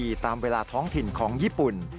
ตามเวลาท้องถิ่นของญี่ปุ่น